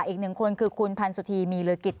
อีก๑คนคือคุณพันสุธีมีรกิจ